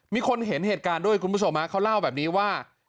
มีคนเห็นเหตุการณ์ด้วยคุณผู้ชมเขาเล่าแบบนี้ว่า